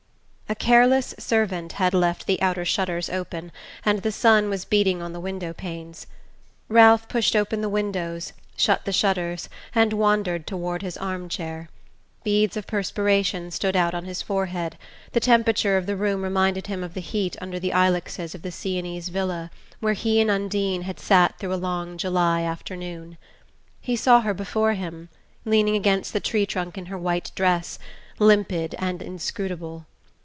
A careless servant had left the outer shutters open, and the sun was beating on the window panes. Ralph pushed open the windows, shut the shutters, and wandered toward his arm chair. Beads of perspiration stood on his forehead: the temperature of the room reminded him of the heat under the ilexes of the Sienese villa where he and Undine had sat through a long July afternoon. He saw her before him, leaning against the tree trunk in her white dress, limpid and inscrutable....